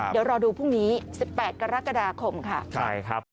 เดี๋ยวรอดูพรุ่งนี้๑๘กรกฎาคมค่ะ